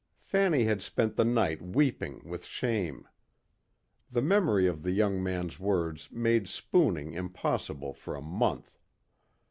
Fanny had spent the night weeping with shame. The memory of the young man's words made spooning impossible for a month.